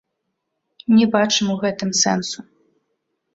Не бачым у гэтым сэнсу.